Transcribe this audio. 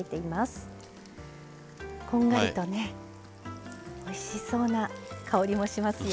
こんがりとねおいしそうな香りもしますよ。